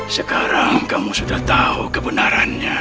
sekarang kamu sudah tahu kebenarannya